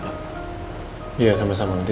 iya sampai sampai nanti